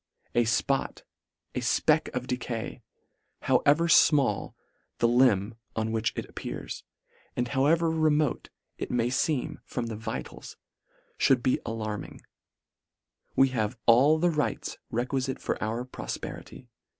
A fpot, a fpeck of decay, however fmall the limb on (£) Deut. vi. 7. LETTER XII. 139 which it appears, and however remote it may feem from the vitals, mould be alarm ing. We have all the rights requilite for our profperity.